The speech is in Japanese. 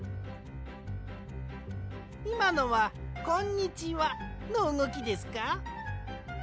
いまのは「こんにちは」のうごきですか？